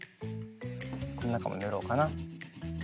このなかもぬろうかな。